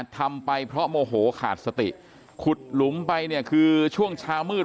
ทำไปเพราะโมโหขาดสติขุดหลุมไปเนี่ยคือช่วงเช้ามืด